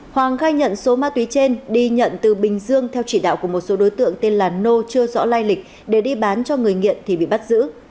hoàng khai nhận số ma túy trên đi nhận từ bình dương theo chỉ đạo của một số đối tượng tên là nô chưa rõ lai lịch để đi bán cho người nghiện thì bị bắt giữ